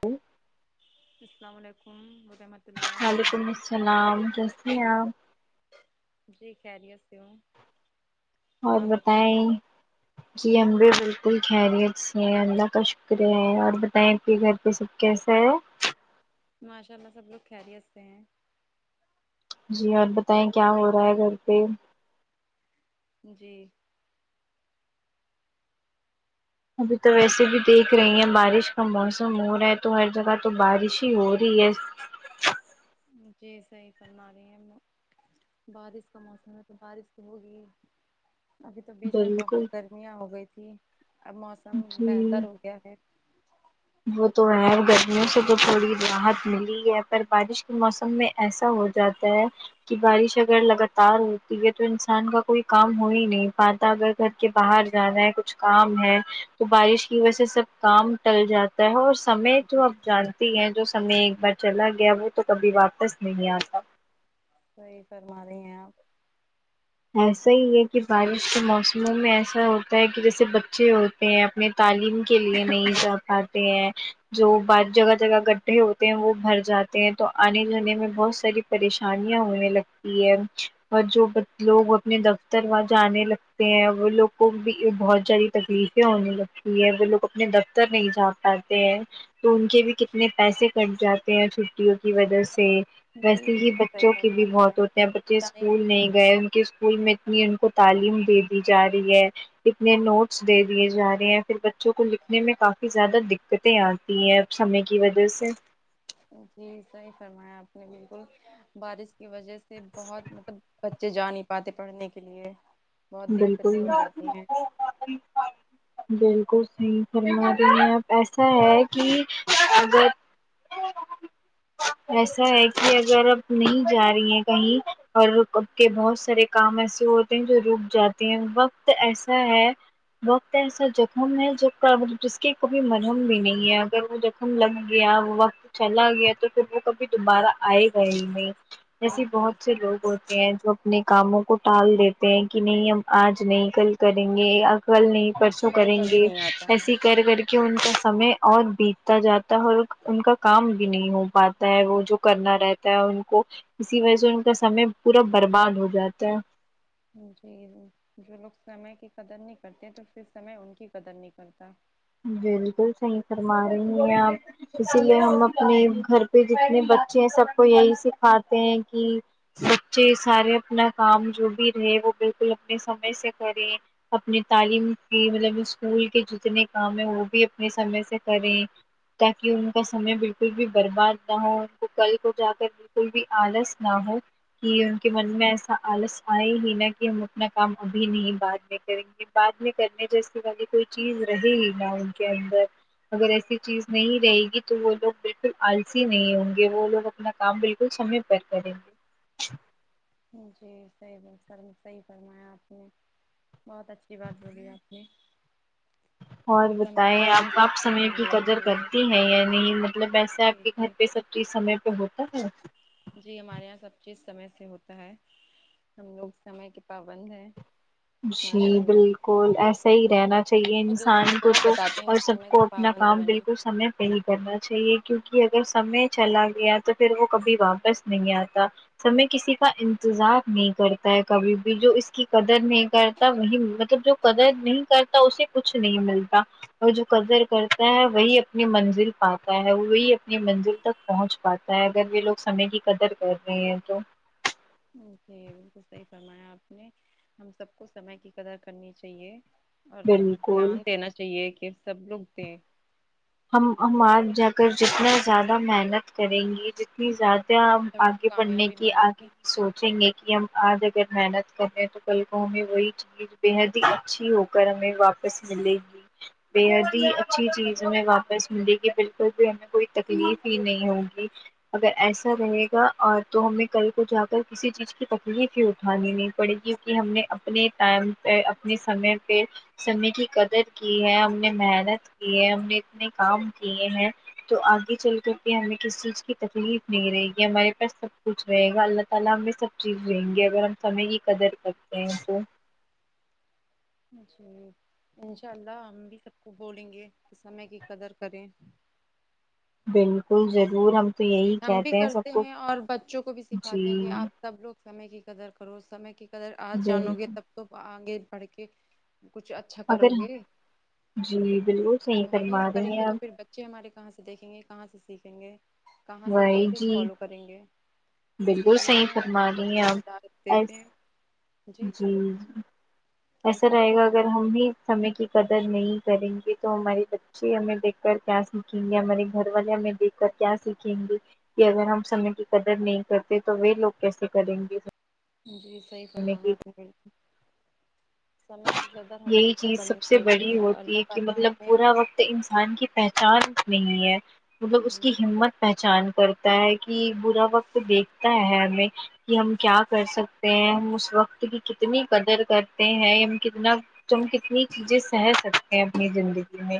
ہ السلام علیکم ورحمۃ اللہ وعلیکم وبرکاتہ السلام کیسی ہے اپ جی خیریت سے ہوں اور آپ بتائیے بتائیں جی ہم بھی بالکل خیریت سے ہیں اللہ کا شکریہ ہے اور بتائیں کے گھر پے سب کیسے ہے ماشاء اللہ سب لوگ خیریت سے ہیں جی اور بتائیں کیا ہو رہا ہے گھر پے جی ابھی تو ویسے بھی دیکھ رہی ہیں بارش کا موسم ہو رہا ہے تو ہر جگہ تو بارش ہی ہو رہی ہے جی صحیح فرما رہی ہیں بارش کا موسم ہے تو بارش تو ہوگی ابھی تو بیچ میں بہت بالکل گرمیاں ہو گئی تھی اب موسم جی بہتر ہو گیا ہے وہ تو ہے گرمیوں سے تو تھوڑی راحت ملی ہے پر بارش کے موسم میں ایسا ہو جاتا تا ہے کی بارش اگر لگاتار ہوتی ہے تو انسان کا کوئی کام ہو ہی نہیں پاتا اگر گھر کے باہر جانا ہے کچھ کام ہے تو بارش کی وجہ سے سب کام ٹل جاتا تا سمئے تو جی آپ جی جان ہیں جو سمے ایک بار چلا گیا وہ تو کبھی واپس نہیں آتا صحیح فرما رہی ہے آپ ایسا ہی ہے کہ بارش کے موسموں میں ایسا ہوتا ہے کی جیسے بچے ہوتے ہیں اپنی تعلیم کے لیے نہیں جا پاتے ہیں جو بات جگہ جگہ گڈھے ہوتے ہیں وہ بھر جاتے ہیں تو آنے جانے میں بہت ساری پریشانیاں ہونے لگتی ہے اور جو بچ لوگ اپنے دفتر وہاں جانے لگتے ہیں وہ لوگ کو بھی بہت زیادی تکلیفیں ہونے لگ وہ لوگ اپنے دفتر نہیں جا پاتے ہیں تو ان کے بھی کت نے پیسے کٹ جاتے ہیں چھٹیوں کی وجہ سے جی ویسے ہی جی صحیح بچوں کی بھی فرما رہی موت ہوتی ہیں بچے ٹائم اسکول نہیں گئے ان کے اسکول میں اتنی ان کو تعلیم دے دی جا رہی ہے کتنے نوٹس دے دیے جا رہے ہیں پھر بچ چوں کو لکھنے میں کافی زیادہ دقتیں آتی ہیں اب سمے کی وجہ سے جی صحیح فرمایا آپ نے بالکل بارش کی وجہ سے بہت مطلب بچے جا نہیں پاتے پڑھنے کے لیے بہت بالکل دقتیں ہو جاتی ہیں بالکل صحیح فرما رہی ہیں آپ ایسا ہے کی اگر ا ایسا ہے کی اگر آپ نہیں جا رہی ہیں کہیں اور کے بہت سارے کام ایسے ہوتے ہیں جو رک جاتے ہیں وقت ایسا ہے وقت ایسا جخم ہے جو جس کی کوبھی مرہم بھی نہیں ہے اگر وہ ہم لگ گیا وہ وقت چلا گیا تو پھر وہ کبھی دوبارہ آئے گا ہی نہیں جی ایسے جی بہت سے لوگ ہوتے ہیں جو اپنے کاموں کو ٹال دیتے ہیں کی نہیں ہم آج نہیں کل کریں گے کل نہیں پرسوں کل کریں کبھی گے نہیں آتا ہے ایسے کر کر کے ان کا سمے اور بیتتا جاتا ہے اور ان کا کام بھی نہیں ہو پاتا تا ہے وہ جو کرنا رہتا ہے ان کو اسی وجہ سے ان کا سمے پورا برباد ہو جاتا ہے جی جو لوگ سمے کی قدر نہیں کرتے تو پھر سمے ان کی قدر نہیں کرتا بالکل صحیح فرما رہی ہیں آپ اسی لیے ہم اپنے گھر پے جتنے بچے ہیں سب کو یہی سکھاتے ہیں کی بچے سارے اپنا کام جو بھی رہے وہ بالکل اپنے سمے سے کریں اپنی تعلیم کی مطلب اسکول کے جتنے کام ہیں وہ بھی اپنے سمے سے کریں تاکی ان کا سمے بالکل بھی برباد نہ ہو ان کو کل کو جا کر بالکل بھی آلس نہ ہو کی ان کے من میں ایسا آلس آئے ہی نا کی ہم اپنا کام ابھی نہیں بعد میں کریں گے بعد میں کرنے جیسی والی کوئی چیز رہے ہی نا ان کے اندر اگر ایسی چیز نہیں رہے گی تو وہ لوگ بالکل آلسی نہیں ہوں گے وہ لوگ اپنا کام بالکل سمے پر کریں گے جی صحیح بات فرما صحیح فرمایا آپ نے بہت اچھی بات بولی آپ نے اور سمے بتائیں کا ہم آپ سب آپ کو سمے دھیان کی دینا قدر چاہیے کرتی ہیں یا نہیں مطلب ایسے جی آپ کے گھر جی پے سب چیز سمے پے ہوتا ہے جی ہمارے یہاں سب چیز سمے سے ہوتا ہے ہم لوگ سمے کی پابند ہیں ماشاء جی اللہ بالکل ایسا ہی رہنا چاہیے اور دوسروں انسان کو بھی تو بتاتے ہیں اور کہ سب سمے کے کو اپنا پابند کام بنے بالکل سمے پے ہی کرنا چاہیے کیونکی اگر سمے چلا گیا تو پھر وہ کبھی واپس نہیں آتا سمے کسی کا انتظار نہیں کرتا ہے کبھی بھی جو اس کی قدر نہیں کرتا وہی مطلب جو قدر نہیں کرتا اسے کچھ نہیں ملتا اور جو قدر کرتا ہے وہی اپنی منزل پاتا ہے وہی اپنی منزل تک پہنچ پاتا ہے اگر یے لوگ سمے کی قدر کر رہے ہیں تو جی جی بالکل صحیح فرمایا آپ نے ہم سب کو سمے کی قدر کرنی چاہیے اور بالکل دھیان دینا چاہیے کہ سب لوگ دیں ہم ہم آج جا کر جتنا زیادہ محنت کریں گے جت نی زیادہ ہم ہمیں آگے بڑھنے کامیابی کی ملے آگے گی کی سوچیں گے کی ہم آج اگر محنت کر رہے ہیں تو کل کو ہمیں وہی چیز بےحد ہی اچھی ہو کر ہمیں واپ پس ملے گی بےحد ہی اچھی چیز جی ہمیں واپس ملے گی بالکل بھی ہمیں کوئی تکلیف ہی نہیں ہوگی اگر ایسا رہے گا اور تو ہمیں کل کو جا کر کسی چیز کی تکلیف ہی اٹھانی نہیں پڑے گی کہمی ہم نے اپنے ٹائم پے اپنی سمے پے سمے کی قدر کی ہے ہم نے محنت کی ہے ہم نے اتنے کام کیے ہیں تو آگے چل کر کے ہمیں کس چیز کی تکلیف نہیں رہے گی ہمارے پاس سب کچھ رہے گا اللہ تعالی ہم نے سب جیت جائیں گے اگر ہم سمئے کی قدر کرتے ہیں تو جی انشاء اللہ ہم بھی سب کو بولیں گے کی سمے کی قدر کریں بالکل ضرور ہم تو جی یہی ہم بھی کہتے سب کرتے کو ہیں اور بچوں کو بھی جی سکھاتے ہیں کہ آپ سب لوگ سمے کی قدر کرو سمے کی قدر آج جانو گے بالکل تب تو آگے پڑھ کے کچھ اچ اچھا کرو اگر گے جی بالکل صحیح جب ہم ہی فرما نہ رہی کریں گے ہیں آپ تو پھر بچ بچے ہمارے کہاں سے دیکھیں گے کہاں سے سیکھیں گے کہاں سے وہ بھائی چیز جی فالو کریں گے اسی بالکل لیے صحیح ہم فرما سب رہی ہیں کو ہدایت آپ ایس دیتے ہیں جی جی ہم ایسے سب رہے کو گا اگر ہم بھی سمے کی قدر نہیں کریں گی تو ہماری بچی ہمیں دیکھ کر کیا سیکھیں گے ہمارے گھر والے ہمیں دیکھ کیا سیکھیں گی کہ اگر ہم سمے کی قدر نہیں کرتے تو وے لوگ کیسے کریں گے جی صحیح سمے فرمایا کی آپ نے بالکل سمے کی قدر ہم یہی کو چیز کرنی سب سے چاہیے بڑی اور ہوتی ہے اللہ کی تعالی مطلب ہمیں برا وقت انسان کی پہچان نہیں ہے مطلب اس جی کی ہمت پہچان کرتا ہے کی برا وقت دیکھتا ہے ہمیں کی ہم کیا کر سکتے ہیں ہم اس وقت کی کتنی قدر کر تے ہیں کتنا تم کتنی چیزیں سہے سکتے ہیں اپنی زندگی میں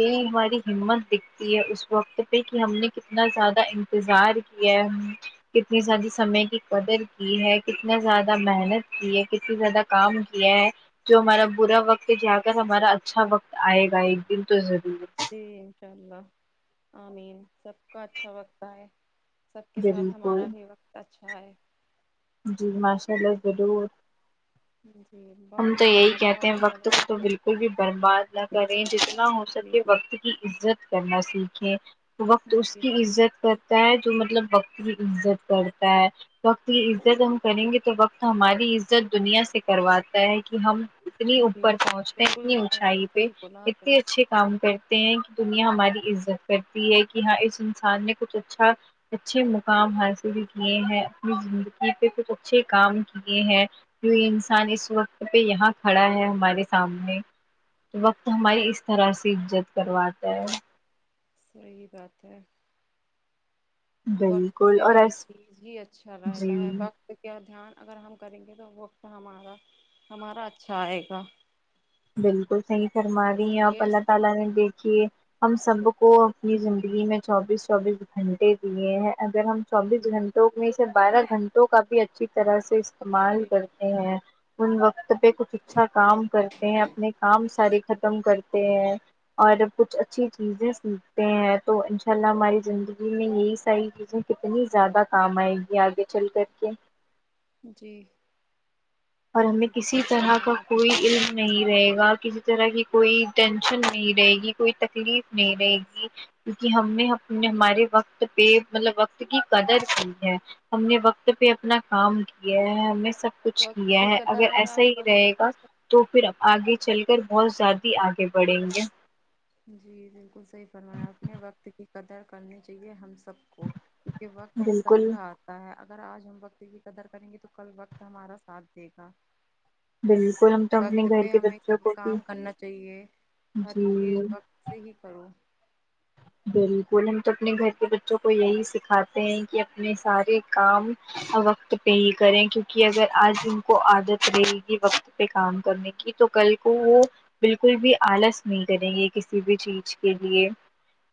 یہی ہماری ہمت دکھتی ہے اس وقت پے کی ہم نے کتنا زیادہ انتظار کیا ہم کتنی زیادہ سمے کی قدر کی ہے کتنا زیادہ محنت کی ہے کتنی زیادہ کام کیا ہے جو ہمارا برا وقت جا کر ہمارا اچھا وقت آئے گا ایک دن تو ضرور جی انشاء اللہ آمین سب کا اچھا وقت آئے سب کے ساتھ بالکل ہمارا بھی وقت اچھا آئے جی ماشاء اللہ ضرور جی ہم تو ماشاء یہی اللہ کہتے بہت ہیں اچھا وقت کو تو بالکل بھی برباد نہ کریں جتنا ہو جی سکے جی وقت کی عزت کرنا سیکھے وقت اس جی کی عزت کر تا جو مطلب وقت کی عزت کرتا ہے وقت کی عزت ہم کریں گے تو وقت ہماری عزت دنیا سے کروات تا ہے کی ہم اتنی جی اوپر پہنچتے ہیں بالکل اتنی بالکل اونچائی پے صحیح بولا آپ نے اتنی اچھے کام کرتے ہیں کی دنیا ہماری عزت کرتی ہے کی ہاں اس انسان نے کچھ اچھا اچھے مقام حاصل کیے ہیں اپنی زندگی پے کچھ اچھے کام کیے ہیں کی وہ انسان اس وقت پے یہاں کھڑا ہے ہمارے سامنے وقت ہماری اس طرح سے عزت کرواتا ہے صحیح بات ہے وقت بالکل سے اور ہر ایس چیز ہی اچھا رہتا جی ہے وقت کیا دھیان اگر ہم کریں گے تو وقت ہمارا ہمارا اچھا آئے گا بالکل صحیح فرما رہی اسی ہیں آپ لیے اللہ تعالی نے دیکھ کیے ہم سب کو اپنی زندگی میں چوبیس چوبیس گھنٹے دیے ہیں اگر ہم چوبیس گھنٹوں میں سے بارہ گھنٹوں کا بھی اچھی طرح سے استعمال جی کر تے ہیں ان وقت پے کچھ اچھا کام کر تے ہیں اپنے کام سارے ختم کرتے ہیں اور کچھ اچھی چیزیں سیکھتے ہیں تو ان شاء اللہ ہماری زندگی میں یہی ساری چیزیں کتنی زیادہ کام آئے گی آگے چل کر کے جی اور ہمیں بالکل کسی صحیح طرح کا فرمایا آپ کوئی علم نہیں رہے گا کسی طرح کی کوئی ٹینشن نہیں رہے گی کوئی تکلیف نہیں رہے گی کیونکی ہم نے اپنے ہمارے وقت پے مطلب وقت کی قدر کی ہے ہم نے وقت پے اپنا کام کیا ہے ہم نے سب کچھ وقت کیا کی ہے قدر اگر ایسا ہی آپ کرو گے رہے تو گا تو پھر آگے چل کر بہت زیادہ آگے بڑھیں گے جی بالکل صحیح فرمایا اپنے وقت کی قدر کرنی چاہیے ہم سب کو کیونکہ وقت ہم سب بالکل کا آتا تا ہے اگر آج ہم وقت کی قدر کریں گے تو کل وقت ہمارا ساتھ دے گا بالکل ہم تو اپنے وقت گھر پے کے ہمیں بچوں سب کو بھی کام کرنا چاہیے ہر چیز جی صحیح کرو بالکل ہم تو اپنے گھر کے بچوں کو یہی سکھاتے ہیں کی اپنے سارے کام وقت پے ہی کریں کیونکہ اگر آج ان کو عادت رہے گی وقت پے کام کرنے کی تو کل کو وہ بالکل بھی آلس نہیں کریں گے کسی بھی چیز کے لیے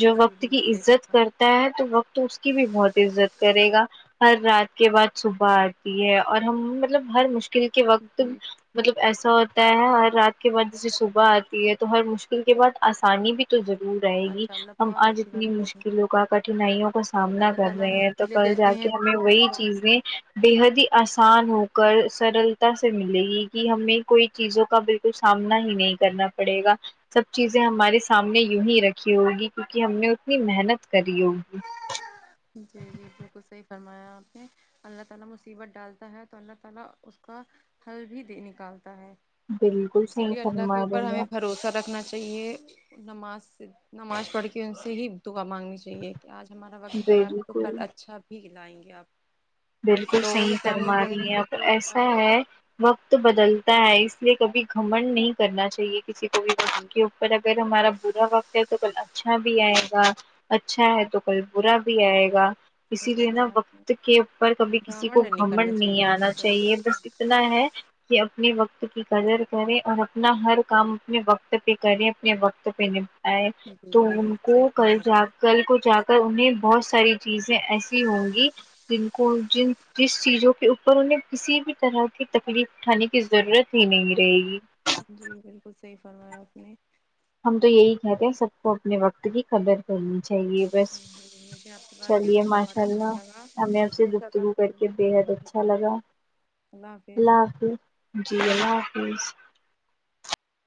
جو جی وقت کی بالکل صحیح عزت فرمایا کرتا ہے تو وقت اس کی بھی بہت عزت کرے گا ہر رات کے بعد صبح آتی ہے اور ہم مطلب ہر مشکل کے وقت جی مطلب ایسا ہوتا ہے ہر رات کے بعد جیسے صبح آتی ہے تو ہر مشکل کے بعد آسانی بھی تو ضرور ائے گی ماشاء اللہ ہم بہت آج اچھی بات اتنی بولی مشکلوں کا کٹنائیوں کا سامنا اللہ کر تعالی رہے ہیں تو مشکلیں کل دیتے جا ہیں کے تو ہمیں پھر وہی آسان چیز میں بےحد ہی آسان ہو کر سرلتا سے ملے گی کی ہمیں کوئی چیزوں کا بل تو سامنا ہی نہیں کرنا پڑے گا سب چیزیں ہمارے سامنے یو ہی رکھی ہوگی کیونکی ہم نے اتنی محنت کری ہوگی جی جی بالکل صحیح فرمایا آپ نے اللہ تعالی مصیبت ڈالتا ہے تو اللہ تعالی اس کا حل بھی دے نکالتا ہے بالکل اسی صحیح لیے اللہ فرما کے اوپر رہی ہیں ہمیں آپ، بھروس سہ رکھنا چاہیے نماز سے نماز پڑھ کے ان سے ہی دعا مانگنی چاہیے تے آج ہمارا وقت خراب ہے تو بالکل کل اچھا بھی لائیں گے آپ بالکل لوگوں کے صحیح سامنے فرما بولنے رہی ہیں سے تو کوئی ایسا ہے وقت بدلتا ہے اس لیے کبھی گھمنڑ نہیں کرنا چاہیے کسی کو بھی پھر وقت کے اوپر اگر ہمارا برا وقت ہے تو کل اچھا بھی آئے گا اچھا ہے تو کل برا بھی آئے گا اسی لیے نا فرمایا آپ نے وقت کے پر کبھی کسی کو گھمنڈ نہیں کرنا گھمن نہیں چاہیے آنا صحیح چاہیے بات بس ہے اتنا ہے کہ اپنے وقت کی قدر کرے اور اپنا ہر کام اپنے وقت پے کریں اپنے وقت پے ہے جی تو جی ان بالکل صحیح کو کل فرمایا آپ جا نے کل کو جا کر انہیں بہت ساری چیزیں ایسی ہوں گی جن کو جن جس چیزوں کے اوپر انہیں کسی بھی طرح کی تکلیف اٹھانے کی ضرورت ہی نہیں رہے گی جی بالکل صحیح فرمایا آپ نے ہم تو یہی کہتے ہیں سب کو اپنے وقت کی قدر کرنی چاہیے ویسے مجھے آپ سے بات کر چلیے کے بہت ماشاء اچھا اللہ لگا ہمیں اس سے انشاء اللہ گفتگو کر پھر کے بےحد کریں گے اچھا لگا اللہ حافظ جی اللہ حافظ